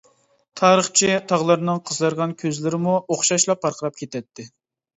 تارىخچى تاغىلارنىڭ قىزارغان كۆزلىرىمۇ ئوخشاشلا پارقىراپ كېتەتتى.